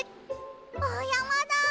おやまだ！